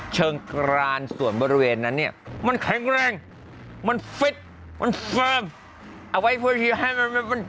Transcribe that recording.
เชิงกรานส่วนบริเวณนั้นเนี่ยมันแข็งแรงมันฟิตมันเฟิร์มเอาไว้เพื่อผิวให้มัน